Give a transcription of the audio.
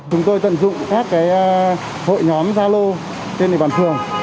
chúng tôi tận dụng các hội nhóm gia lô trên địa bàn phường